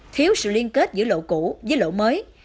thiếu sự liên kết giữa lộ cũ với lộ mới